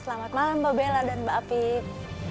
selamat malam mbak bella dan mbak apip